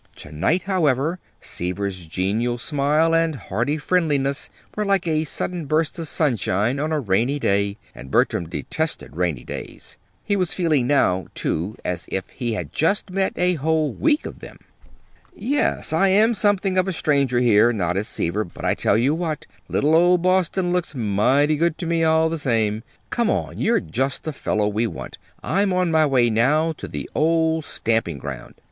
To night, however, Seaver's genial smile and hearty friendliness were like a sudden burst of sunshine on a rainy day and Bertram detested rainy days. He was feeling now, too, as if he had just had a whole week of them. "Yes, I am something of a stranger here," nodded Seaver. "But I tell you what, little old Boston looks mighty good to me, all the same. Come on! You're just the fellow we want. I'm on my way now to the old stamping ground.